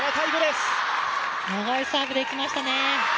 長いサーブできましたね。